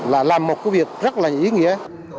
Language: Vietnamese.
là một cái việc rất là ý nghĩa